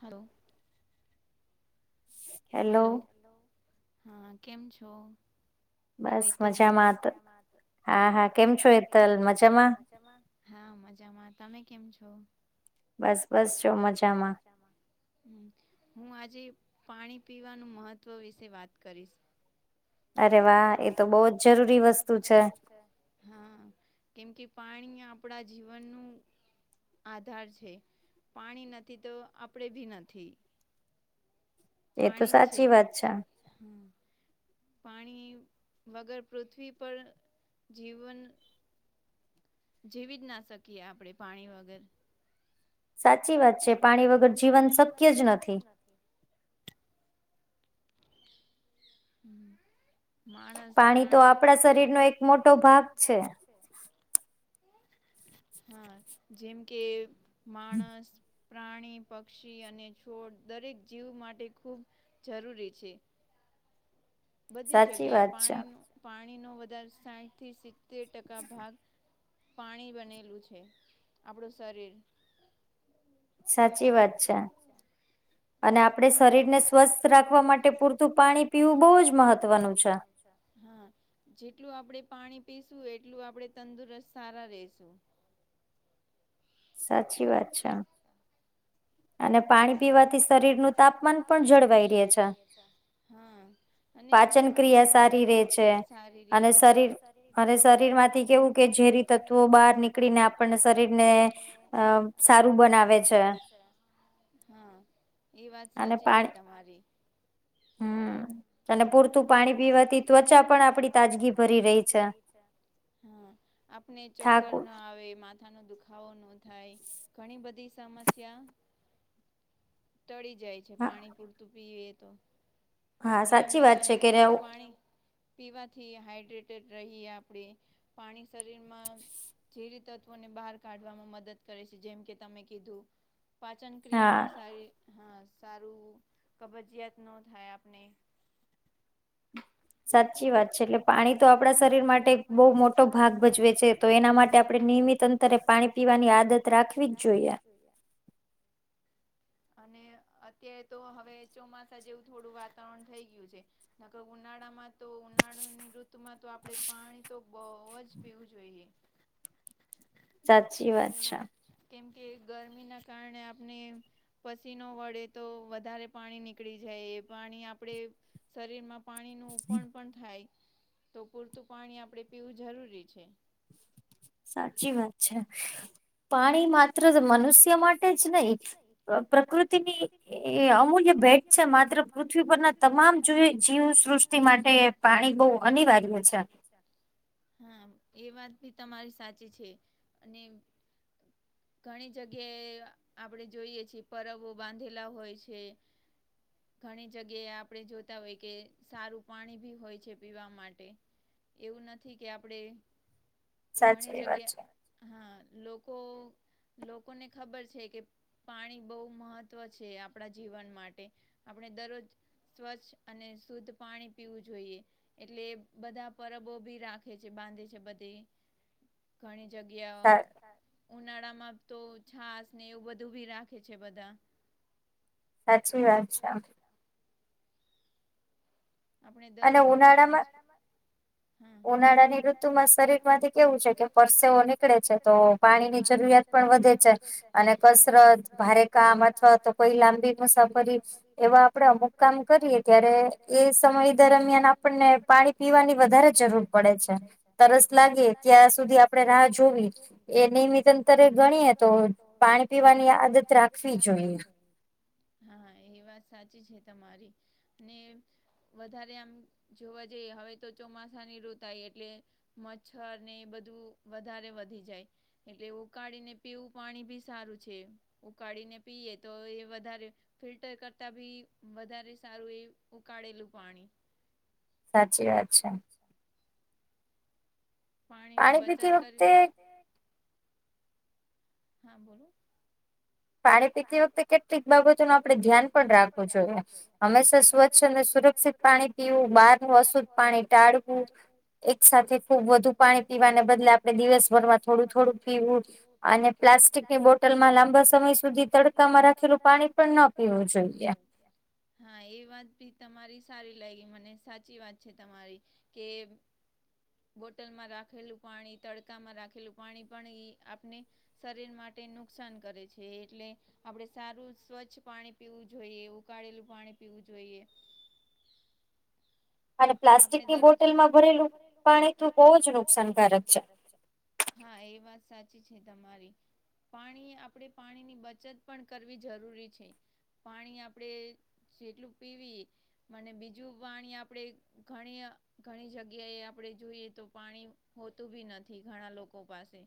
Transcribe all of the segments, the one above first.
Hello. Hello. હા કેમ છો? હું હેતલ બોલું. બસ મજામાં. હા, હા. કેમ છો હેતલ? મજા માં? હા મજામાં. તમે કેમ છો? બસ-બસ જો મજામાં. હમ્મ. હું આજે પાણી પીવાનું મહત્ત્વ વિશે વાત કરીશ. અરે વાહ! એ તો બહુ જ જરૂરી વસ્તુ છે. હા. કેમ કે, પાણી આપણા જીવનનું આધાર છે. પાણી નથી તો આપણે બી નથી. પાણી જ છે. હમ્મ. પાણી વગર પૃથ્વી પર જીવન જીવી જ ના શકીએ આપણે પાણી વગર. સાચી વાત છે. પાણી વગર જીવન શક્ય જ નથી. હમ્મ. માણસ, પ્રાણી, પક્ષી, પાણી તો આપણા શરીર નો એક મોટો ભાગ છે. હા. જેમ કે માણસ પ્રાણી, પક્ષી અને છોડ દરેક જીવ માટે ખૂબ જરૂરી છે. બધી જગ્યાએ પાણીન પાણીનો વધારે સાઈઠ થી સિત્તેર ટકા ભાગ પાણી બનેલું છે આપણું શરીર. સાચી વાત છે. અને આપણે શરીર ને સ્વસ્થ રાખવા માટે પૂરતું પાણી પીવું બહુ જ મહત્વનું છે. હા. જેટલું આપણે પાણી પીશું, એટલું આપણે તંદુરસ્ત, સારા રહેશું. સાચી વાત છે. અને પાણી પીવાથી શરીર નું તાપમાન પણ જળવાઈ રહે છે, હા. અને પાચન ક્રિયા સારી રહે છે, સારી રહે છે. અને શરીર અને શરીરમાં થી કેવું કે, ઝેરી તત્વો બહાર નીકળીને આપણને શરીરને અહ સારું બનાવે છે. હા, એ વાત સાચી છે તમારી. અને પૂરતું પાણી પીવાથી ત્વચા પણ આપણી તાજગી ભરી રેય છે. હા. આપને ચક્કર ના આવે, માથ થાનો દુખાવો ન થાય. ઘણી બધી સમસ્યા ટળી જાય છે. પાણી પૂરતું પીવીએ તો. હા સાચી વાત છે, કે રેવ પાણી પીવાથી હાઈડ્રેટેડ રહીએ આપણે. પાણી શરીરમાં જેરી તત્વો ને બહાર કાઢવામાં મદદ કરે છે. જેમ કે, તમે કીધું. પાચન ક્રિયામાં સારી, હા સારું, કબજીયાત ન થાય આપને. સાચી વાત છે. એટલે પાણી તો આપણા શરીર માટે એક બહુ મોટો ભાગ ભજવે છે. તો એના માટે આપણે નિયમિત તંતરે પાણી પીવાની આદત રાખવી જ જોઈએ. [inaudible] અને અત્યારે તો હવે ચોમાસા જેવું, થોડું વાતાવરણ થઈ ગયું છે. નકર ઉનાળામાં, તો ઉનાળુ ની ઋતુમાં તો આપડે પાણી તો, બોવ જ પીવું જોઈએ. ગરમી ના કેમ કે ગરમી ના કારણે આપણે, પસીનો વળે તો વધારે પાણી નીકળી જાય, એ પાણી આપડે, શરીરમાં પાણીનું ઉપડ પણ થાય, તો પૂરતું પાણી આપણે પીવું જરૂરી છે. સાચી વાત છે. પાણી માત્ર મનુષ્ય માટે જ નહી, પ્રકૃતિની, એ અમૂલ્ય ભેટ છે. માત્ર પૃથ્વી પરના તમામ જીવી જીવસૃષ્ટિ માટે એ, એ પાણી બઉ અનિવાર્ય છે. હા એ વાત બી તમારી સાચી છે. અને, ઘણી જગ્યાએ આપણે જોઈએ છીએ, પરબો બાંધેલા હોય છે. ઘણી જગ્યાએ આપડે જોતા હોય કે સારું પાણી ભી હોય છે. પીવા માટે, એવું નથી કે આપણેે ઘણી જગ્યા હા લો કો લોકોને ખબર છે કે, પાણી બવ મહત્ત્વ છે. આપણા જીવન માટે આપણે દરરોજ, સ્વચ્છ અને શુદ્ધ પાણી પીવું જોઈએ. એટલે એ બધા પરબો ભી રાખે છે, બાંધે છે બધેય. ઘણી જગ્યાઓ, ઉનાળા માં તો છાસ ને, એવું બધું ભી રાખે છે બધા, સાચી વાત છે. આપણે દરોજ સ્વછ, અને ઉનાળામાં ઉનાળાની ઋતુમાં શરીર માંથી કેવું છે, કે પરસેવો નીકળે છે તો, પાણી ની જરૂરિયાત પણ વધે છે. અને કસરત ભારે કામ અથવા તો કોઈ લાંબી મુસાફરી એવા આપડે, અમુક કામ કરીએ ત્યારે એ સમય, દરમિયાન આપણને પાણી પીવાની વધારે જરૂર પડે છે. તરસ લાગે ત્યાં સુધી આપ આપડે રાહ જોવી એ નિયમિત અંતરે ગણીએ તો પાણી પીવાની આદત રાખ આદત રાખવી જોયે, હા એ વાત સાચી છે. તમારી અને, વધારે આમ જોવા જઈએ, હવે તો ચોમાસાની ઋત આઈ એટલે, મચ્છર ને એ બધું વધારે વધી જાય, એટલે ઉકાળીને પીવું પાણી ભી સારું છે. ઉકાળીને પીએ તો એ વધારે, ફિલ્ટર કરતા ભી વધારે સારું, એ ઉકાળેલું પાણી. સાચી વાત છે. પાણી ની બચત કરવી, હા બોલો, પાણી પીતી વખતે કેટલીક બાબતો નુ આપડે ધ્યાન પણ રાખવું જોઈએ, હંમેશા સ્વચ્છ અને સુરક્ષિત, પાણી પીવું બહાર નુ અશુદ્ધ પાણી ટાળવું. એક સાથે ખુબ વધુ પાણી પીવાને બદલે આપડણે દિવસભરમાં થોડું થોડું પીવું અને, પ્લાસ્ટિક ની બોટલમાં લાંબા સમય, સમય સુધી તડતા મા રાખેલુ પાણી પણ ના પીવું જોઈએ. હા એ વાત ભી તમારી સારી લાગી મને, સાચી છે તમારી કે, બોટલમાં રાખેલું પાણી, તડકામાં રાખેલું પાણી પણ એ આપને, શરીર માટે નુકસાન કરે છે એટલે, આપણે સારું સ્વચ્છ પાણી પીવું જોઈએ, ઉકાળેલું પાણી પીવું જોઈએ. આપણે દરરોજ, પ્લાસ્ટિકની બોટલમાં ભરેલું પાણી બોવ જ નુકસાનકારક છે. હા, એ વાત સાચી છે તમારી. પાણી આપણે પાણીની બચત પણ કરવી જરૂરી છે. પાણી આપણે જેટલું પીવીએ મને બીજું પાણી આપણે, ઘણી, ઘણી જગ્યા એ આપણેે જોઈએ તો પાણી હોતું ભી નથી ઘણા લોકો પાસે,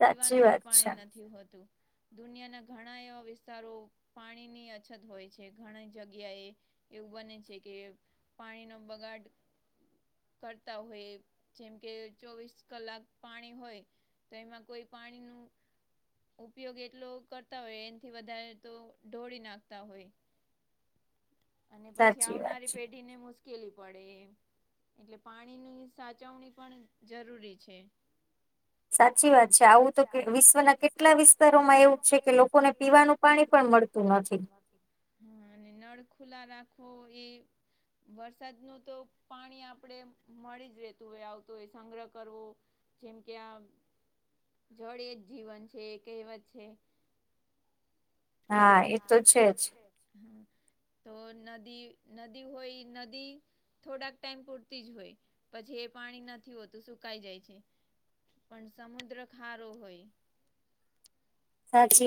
પીવાનું બી પાણી નથી હોતું. દુનિયાના ઘણા એવા વિસ્તારો પાણીની અછત હોય છે ઘણી જગ્યાએ, એવું બને છે કે પાણીનો બગાડ કરતા હોય જેમ કે, ચોવીસ કલાક પાણી હોય તો એમાં કોઈ પાણીનું ઉપયોગ એટલો કરતા હોય એનથી વધારે તો ઢોળી નાખતા હોય. અને પછી આવનારી પેઢીને મુશ્કેલી પડે એમ, એટલે પાણીની સાચવણી પણ જરૂરી છે. સાચી વાત છે આવું તો વિશ્વના કેટલા વિસ્તારોમાં એવું છે કે લોકોને પીવાનું પાણી પણ મળતું નથી, હા. અને નળ ખુલ્લા રાખો એ વરસાદનું તો પાણી આપડે મળી જ રહેેતું હોય આવતો હોય સંગ્રહ કરવો જેમ કે, આ જળ એ જ જીવન છે એ કહેવત છે. હા એ તો છે જ, હ તો નદી, નદી હોય એ નદી, થોડાક ટાઈમ પૂરતી જ હોય, પછી એ પાણી નથી હોતું સુકાઈ જાય છે. પણ સમુદ્ર ખારો હોય.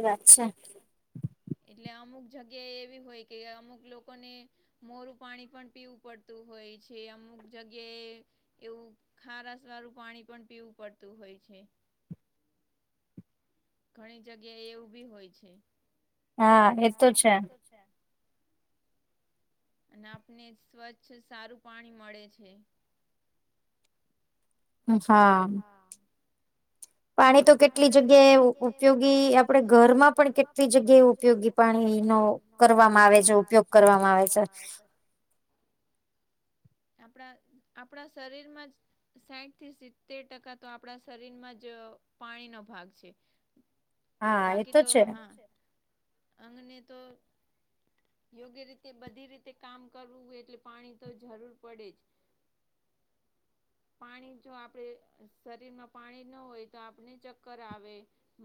સાચી વાત છે, એટલે અમુક જગ્યા એવી હોય કે અમુક લોકોને, મોરું પાણી પણ પીવું પડતું હોય છે અમુક જગ્યાએ, એવું ખારાસવાળું પાણી પણ પીવું પડતું હોય છે. ઘણી જગ્યા એવું બી હોય છે. હા એ તો છે. અને આપને સ્વચ્છ સારું પાણી મળે છે. [inaudible] હા. પાણી તો કેટલી જગ્યાએ ઉપયોગી આપડે ઘરમાં પણ કેટલી જગ્યાએ ઉપયોગી પાણીનો કરવામાં આવે છે, ઉપયોગ કરવામાં આવે છે. આપડા આપડા શરીરમાં જ, સાઇઠથી સિત્તેર ટકા તો આપણા શરીરમાં જ પાણીનો ભાગ છે. બાકી તો હા, અંગને તો યોગ્ય રીતે બધી રીતે કામ કરવું હોય, એટલે પાણી તો જરૂર પડે જ [inaudible] પાણી જો આપડે શરીરમાં પાણી ન હોય તો આપને ચક્કર આવે,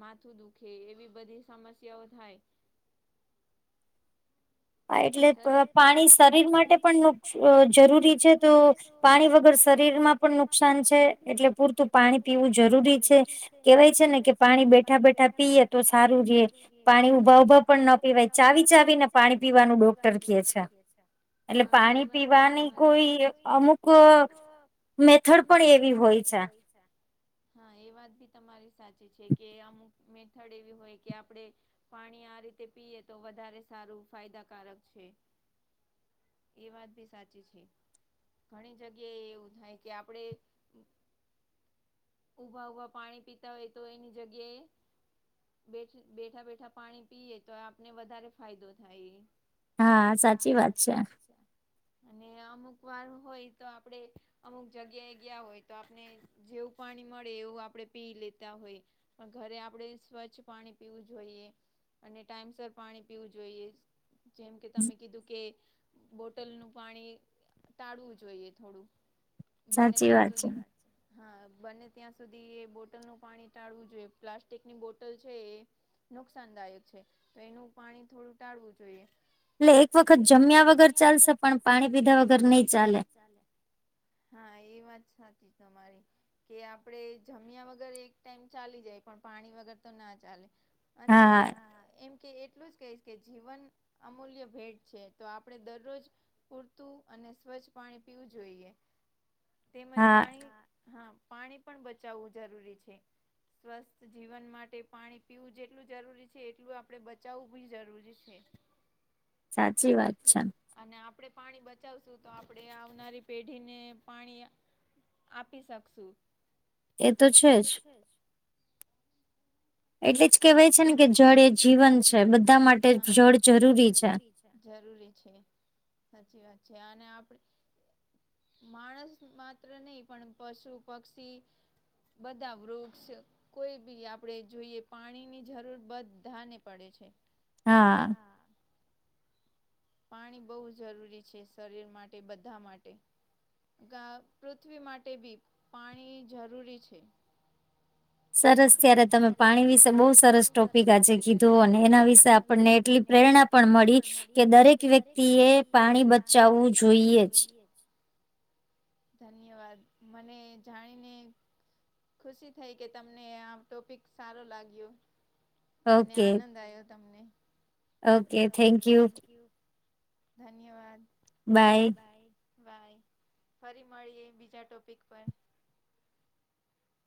માથું દુખે એવી બધી સમસ્યાઓ થાય. હા એટલે પાણી શરીર માટે પણ જરૂરી છે તો પાણી વગર શરીરમાં પણ નુકસાન છે એટલે પૂરતું પાણી પીવું જરૂરી છે કેહેવાય છે ને કે પાણી બેઠા બેઠા પીએ તો સારું રે પાણી ઉભા ઉભા પણ ન પીવાય ચાવી ચાવીને પાણી પીવા પાણી પીવાનું ડોક્ટર કે છે. હા એ વાત તો તમારી સાચી છે. [unintelligible] મેથડ પણ એવી હોય છે. અચ્છા. હા એ વાત ભી તમારી સાચી છે કે અમુક મેથડ એવી હોય કે આપડે પાણી આ રીતે પીએ તો વધારે સારું ફાયદાકારક છે. એ વાત બી સાચી છે ઘણી જગ્યાએ એવું થાય કે આપણેે ઉભા ઊભા પીતા હોય તો એની જગ્યાએ બેઠા બેઠા પાણી તો આપને ફાયદો થાય. હા સાચી વાત છે. અને અમુક વાર હોય તો આપડે અમુક જગ્યાએ ગયા હોય તો આપણે જેવું. પાણી મળે એવું આપણે પી લેતા હોય. પણ ઘરે આપણેે સ્વચ્છ પાણી પીવું જોઈએ. અને ટાઈમસર પાણી પીવું જોઈએ જેમ કે તમે કીધું કે બોટલનું પાણી ટાળવું જોઈએ થોડું બને ત્યાં સુધી હા બંને ત્યાં સુધી એ બોટલ નું પાણી ટાળવું જોઈએ પ્લાસ્ટિક ની બોટલ છે એ નુકસાનદાયક છે તો એનું પાણી થોડું ટાળવું જોઈએ. એટલે એક વખત જમ્યા વગર ચાલશે પણ પાણી પીધા વગર નહી ચાલે. ચાલે. હા એ વાત સાચી તમારી. કે આપણે જમ્યા વગર એક ટાઈમ ચાલી જાય પણ પાણી વગર તો ના ચાલે. અંત માં હું એમ કે એટલું જ કહીશ કે જીવન અમૂલ્ય ભેટ છે તો આપણે દરરોજ પૂરતું અને સ્વચ્છ પાણી પીવું જોઈએ તેમજ પાણી હા પાણી પણ બચાવવું જરૂરી છે. સ્વસ્થ જીવન માટે પાણી પીવું જેટલું જરૂરી છે એટલું આપણેે બચાવવું બી જરૂરી છે. [inaudible] સાચી વાત છે. અને આપણે પાણી બચાવસુ તો આપણેે આવનારી પેઢીને પાણી આપી શકશું. એ તો છે જ એટલે જ કેહેવાય છે ને કે જળ એ જીવન છે બધા માટે જળ જરૂરી છે. જરૂરી છે સાચી વાત છે અને આપણે માણસ માત્ર નહી પણ પશુ પક્ષી બધા વૃક્ષ કોઈ બી આપણેે જોઈએ. પાણીની જરૂર બધાને પડે છે. હા. પાણી બહુ જરૂરી છે શરીર માટે બધા માટે કા પૃથ્વી માટે બી પાણી જરૂરી છે. સરસ ત્યારે તમે પાણી વિશે બઉુ સરસ ટોપ આજે કીધું અને એના વિશે આપણને એટલી પ્રેરણા પણ મળી કે દરેક વ્યક્તિએ પાણી બચાવવું જોઈએ જ ધન્યવાદ મને જાણીને ખુશી થઈ કે તમને આ ટોપિક સારો લાગ્યો અને આનંદ આવ્યો તમને. Okay thank you. ધન્યવાદ બાય. બાયફરી મળીએ બીજા ટોપિક પર.